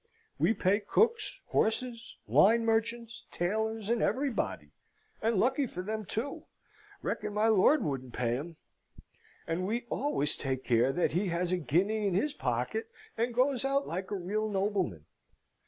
We pay cooks, horses, wine merchants, tailors, and everybody and lucky for them too reckon my lord wouldn't pay 'em! And we always take care that he has a guinea in his pocket, and goes out like a real nobleman.